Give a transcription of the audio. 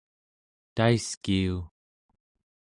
taiskiu